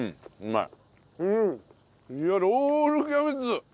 いやロールキャベツ！